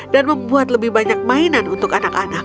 membuat lebih banyak mainan untuk anak anak